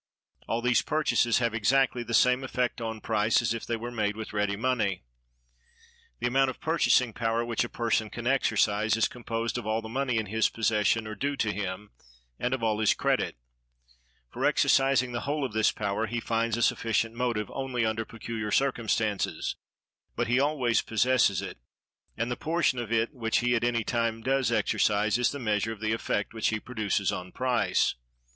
All these purchases have exactly the same effect on price as if they were made with ready money. The amount of purchasing power which a person can exercise is composed of all the money in his possession or due to him, and of all his credit. For exercising the whole of this power he finds a sufficient motive only under peculiar circumstances, but he always possesses it; and the portion of it which he at any time does exercise is the measure of the effect which he produces on price.